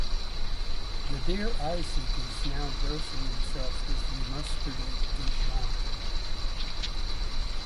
The dear Isaac is now dosing himself with the mustard of Dijon.